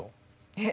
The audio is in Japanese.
えっ！